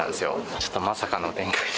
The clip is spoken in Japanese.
ちょっとまさかの展開で。